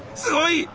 すごい！